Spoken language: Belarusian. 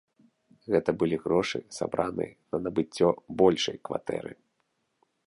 Гэты былі грошы, сабраныя на набыццё большай кватэры.